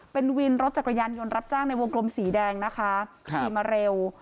เป็นวินรถจักรยานยนต์รับจ้างในวงกลมสีแดงนะคะขี่มาเร็ว